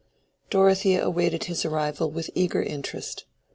Dorothea awaited his arrival with eager interest.